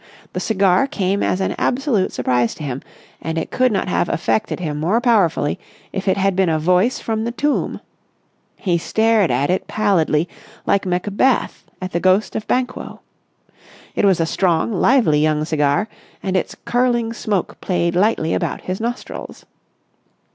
The cigar came as an absolute surprise to him and it could not have affected him more powerfully if it had been a voice from the tomb. He stared at it pallidly, like Macbeth at the ghost of Banquo. It was a strong, lively young cigar, and its curling smoke played lightly about his nostrils.